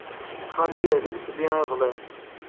Xali yerza-d fell-i iḍelli.